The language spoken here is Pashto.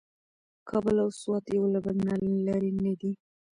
کابل او سوات یو له بل نه لرې نه دي.